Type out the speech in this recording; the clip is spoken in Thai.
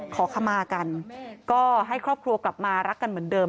ขอขมากันก็ให้ครอบครัวกลับมารักกันเหมือนเดิม